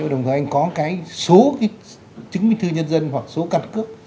nếu đồng thời anh có cái số chứng minh thư nhân dân hoặc số căn cước